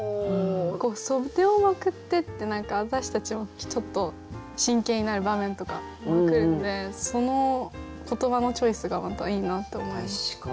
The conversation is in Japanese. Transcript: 「袖をまくって」って何か私たちもちょっと真剣になる場面とかまくるんでその言葉のチョイスがまたいいなと思います。